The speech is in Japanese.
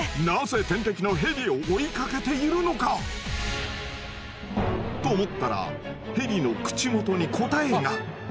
なぜ天敵のヘビを追いかけているのか⁉と思ったらヘビの口元に答えが！